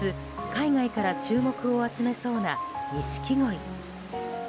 海外から注目を集めそうな、ニシキゴイ。